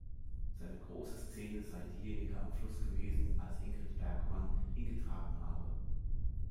Seine große Szene sei diejenige am Fluss gewesen, als Ingrid Bergman ihn getragen habe.